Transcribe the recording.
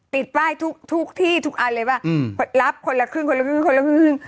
ติดป้ายทุกทุกที่ทุกอันเลยว่ารับคนละครึ่งคนละครึ่งคนละครึ่ง